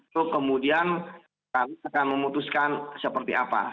itu kemudian kami akan memutuskan seperti apa